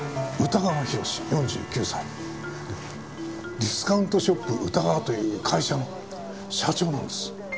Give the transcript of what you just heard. ディスカウントショップ宇田川という会社の社長なんです。